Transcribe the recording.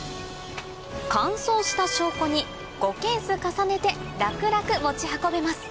乾燥した証拠に５ケース重ねて楽々持ち運べます